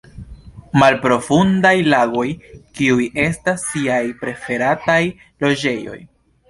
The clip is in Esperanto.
Malprofundaj lagoj kiuj estas siaj preferataj loĝejoj.